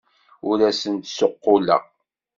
Ur asen-d-ssuqquleɣ.